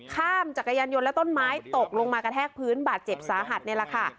จักรยานยนต์และต้นไม้ตกลงมากระแทกพื้นบาดเจ็บสาหัสนี่แหละค่ะ